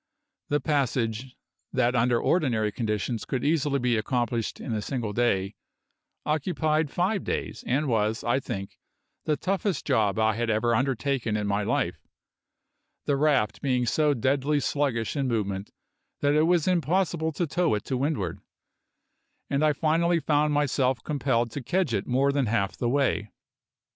The passage, that under ordinary conditions could easily be accomplished in a single day, occupied five days, and was, I think, the toughest job I had ever undertaken in my life, the raft being so deadly sluggish in movement that it was impossible to tow it to windward; and finally I found myself compelled to kedge it more than half the way.